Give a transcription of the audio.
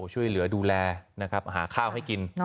ช่วยเหลือดูแลนะครับหาข้าวให้กิน